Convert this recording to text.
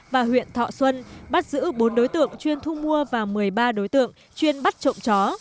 và huyện thọ xuân bắt giữ bốn đối tượng chuyên thu mua và một mươi ba đối tượng chuyên bắt trộm chó